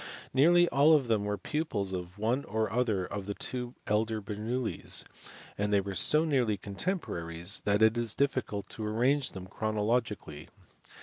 Nearly all of them were pupils of one or other of the two elder Bernoullis, and they were so nearly contemporaries that it is difficult to arrange them chrono logically.